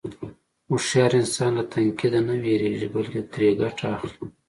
هوښیار انسان له تنقیده نه وېرېږي، بلکې ترې ګټه اخلي.